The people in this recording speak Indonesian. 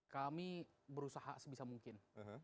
kami berusaha sebisa mungkin